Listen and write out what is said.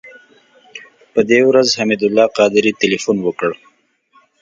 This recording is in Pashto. په دې ورځ حمید الله قادري تیلفون وکړ.